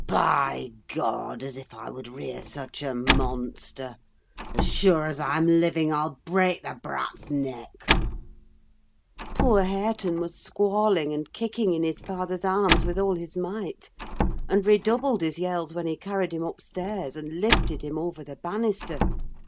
By God, as if I would rear such a monster! As sure as I'm living, I'll break the brat's neck." Poor Hareton was squalling and kicking in his father's arms with all his might, and redoubled his yells when he carried him upstairs and lifted him over the banister.